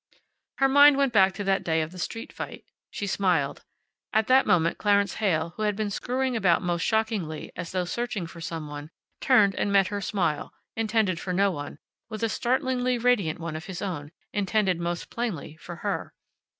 Her mind went back to that day of the street fight. She smiled. At that moment Clarence Heyl, who had been screwing about most shockingly, as though searching for some one, turned and met her smile, intended for no one, with a startlingly radiant one of his own, intended most plainly for her.